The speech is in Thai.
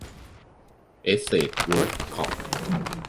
แอสเสท เวิรด์ คอร์ป